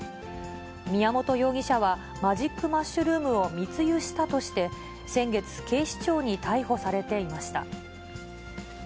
宮本容疑者は、マジックマッシュルームを密輸したとして、先月、警視庁に逮捕されていました。